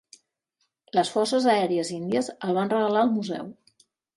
Les Forces Aèries Índies el van regalar al museu.